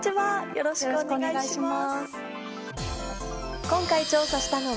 よろしくお願いします。